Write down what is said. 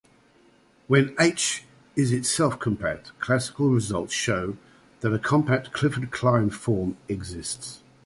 When "H" is itself compact, classical results show that a compact Clifford-Klein form exists.